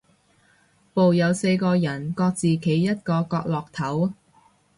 部有四個人，各自企一個角落頭